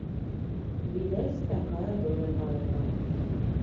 Відаць, такая доля паэтаў.